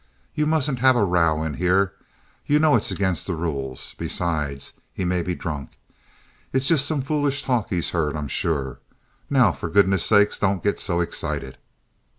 You mustn't have a row in here. You know it's against the rules. Besides he may be drunk. It's just some foolish talk he's heard, I'm sure. Now, for goodness' sake, don't get so excited."